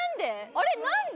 あれ何で？